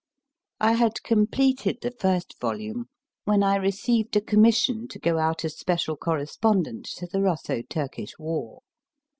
I had completed the first volume when I received a commission to go out as special correspondent to the Russo Turkish war.